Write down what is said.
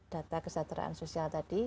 data kesejahteraan sosial tadi